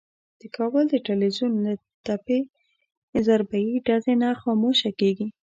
د کابل د ټلوېزیون له تپې ضربهیي ډزې نه خاموشه کېږي.